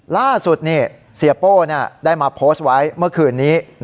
ล่าสุดเสียโป้ได้มาโพสต์ไว้เมื่อคืนนี้